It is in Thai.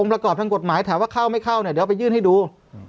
ประกอบทางกฎหมายถามว่าเข้าไม่เข้าเนี่ยเดี๋ยวไปยื่นให้ดู